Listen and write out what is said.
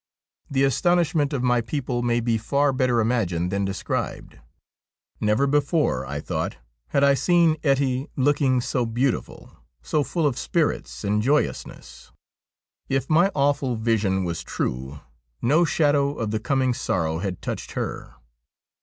The astonishment of my people may be far better imagined than described. Never before, I thought, had I seen Ettie looking so beautiful, so full of spirits and joyousness. If my awful vision was true, no shadow of the coming sorrow had touched her.